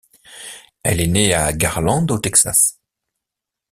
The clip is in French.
Elle est née à Garland au Texas.